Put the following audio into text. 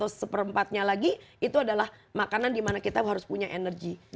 dua per empatnya lagi itu adalah makanan dimana kita harus punya energi